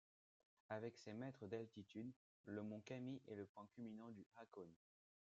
Avec ses mètres d'altitude, le mont Kami est le point culminant du Hakone.